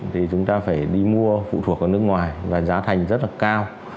thì chúng ta phải đi mua phụ thuộc ở nước ngoài và giá thành rất là cao